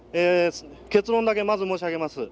結論だけまず申し上げます。